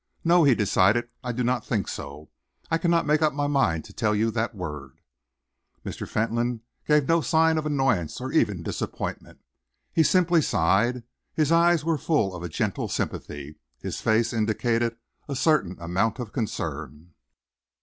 "No," he decided, "I do not think so. I cannot make up my mind to tell you that word." Mr. Fentolin gave no sign of annoyance or even disappointment. He simply sighed. His eyes were full of a gentle sympathy, his face indicated a certain amount of concern.